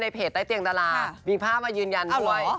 แต่ว่าก็คุยกันตามภาษาคนคุ้นเคย